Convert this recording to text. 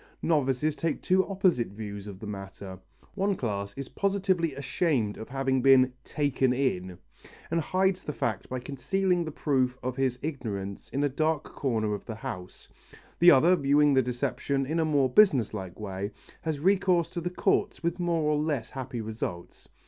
Novices take two opposite views of the matter. One class is positively ashamed of having been "taken in," and hides the fact by concealing the proof of his ignorance in a dark corner of the house; the other, viewing the deception in a more business like way, has recourse to the courts with more or less happy results.